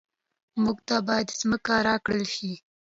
موږ ته باید ځمکه راکړل شي